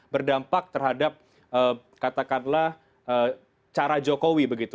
berdampak terhadap katakanlah cara jokowi begitu